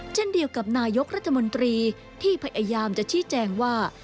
เช่นเดียวกับนายกรัฐมนตรีที่พยายามจะชี้แจงว่า